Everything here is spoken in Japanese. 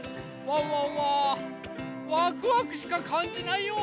ワンワンはワクワクしかかんじないよ！